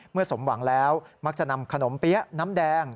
สมหวังแล้วมักจะนำขนมเปี๊ยะน้ำแดง